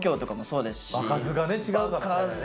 場数がね違うからね。